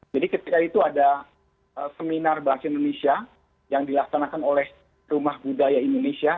jadi ketika itu ada seminar bahasa indonesia yang dilaksanakan oleh rumah budaya indonesia